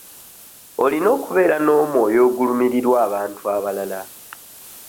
Olina okubeera n'omwoyo ogulumirirwa abantu abalala.